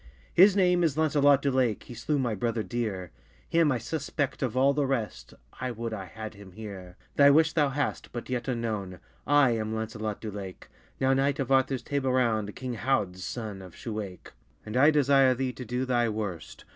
His name is Lancelot du Lake, He slew my brother deere; Him I suspect of all the rest: I would I had him here. Thy wish thou hast, but yet unknowne, I am Lancelot du Lake, Now knight of Arthurs Table Round; King Hauds son of Schuwake; And I desire thee to do thy worst.